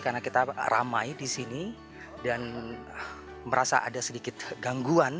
karena kita ramai di sini dan merasa ada sedikit gangguan